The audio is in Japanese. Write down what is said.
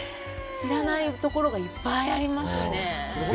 知らないところがいっぱいありますね。